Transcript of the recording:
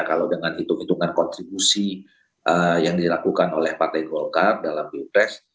kalau dengan hitung hitungan kontribusi yang dilakukan oleh partai golkar dalam pilpres